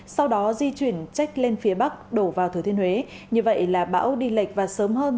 sau đó di chuyển trách lên phía bắc đổ vào thừa thiên huế như vậy là bão đi lệch và sớm hơn